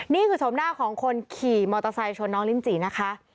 ชมหน้าของคนขี่มอเตอร์ไซค์ชนน้องลิ้นจีนะคะ